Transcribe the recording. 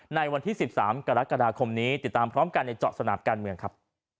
ในวันที่๑๓กรกฎาคมนี้ติดตามพร้อมกันในเจาะสนามการเมืองครับ